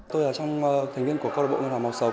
tôi là trong thành viên của câu đồng bộ nguyên hòa màu sống